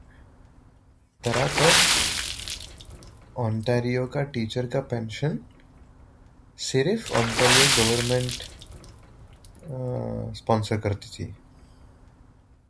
Until then, Ontario teachers' pensions had been sponsored solely by the Ontario government.